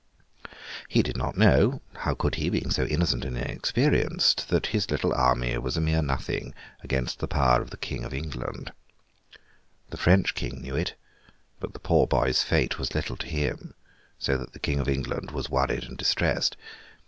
He did not know—how could he, being so innocent and inexperienced?—that his little army was a mere nothing against the power of the King of England. The French King knew it; but the poor boy's fate was little to him, so that the King of England was worried and distressed.